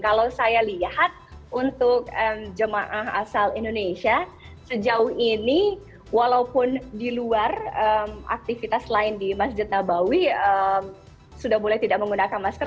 kalau saya lihat untuk jemaah asal indonesia sejauh ini walaupun di luar aktivitas lain di masjid nabawi sudah boleh tidak menggunakan masker